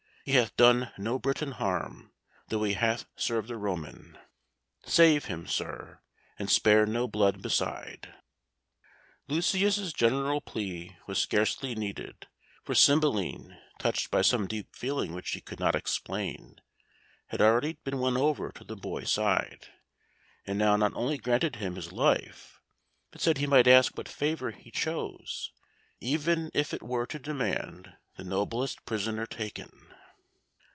"He hath done no Briton harm, though he hath served a Roman. Save him, sir, and spare no blood beside." Lucius's generous plea was scarcely needed, for Cymbeline, touched by some deep feeling which he could not explain, had already been won over to the boy's side, and now not only granted him his life, but said he might ask what favour he chose, even if it were to demand the noblest prisoner taken.